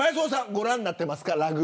ご覧になってますか。